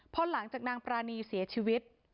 พอหลังจากนางปรานีเสียชีวิต